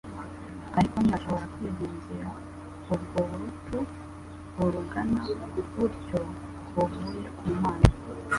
ariko ntiyashobora kwiringira ubwo burutu burugana butyo buvuye ku Mana.